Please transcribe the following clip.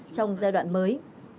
trong giai đoạn mới